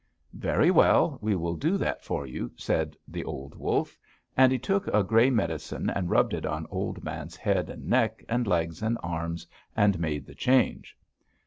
"'Very well, we will do that for you,' said the old wolf; and he took a gray medicine and rubbed it on Old Man's head and neck and legs and arms, and made the change.